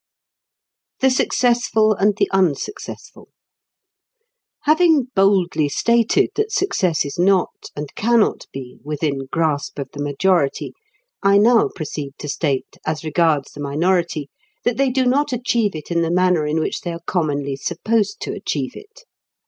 THE SUCCESSFUL AND THE UNSUCCESSFUL Having boldly stated that success is not, and cannot be, within grasp of the majority, I now proceed to state, as regards the minority, that they do not achieve it in the manner in which they are commonly supposed to achieve it.